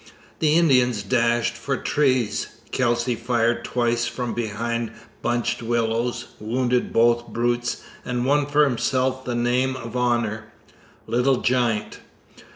The Indians dashed for trees. Kelsey fired twice from behind bunch willows, wounded both brutes, and won for himself the name of honour Little Giant.